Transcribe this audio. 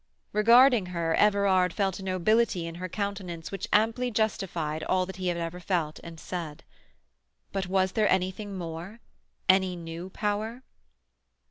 Regarding her, Everard felt a nobility in her countenance which amply justified all he had ever felt and said. But was there anything more—any new power?